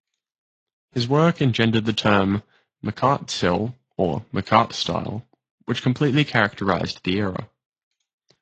His work engendered the term "Makartstil", or "Makart style", which completely characterized the era.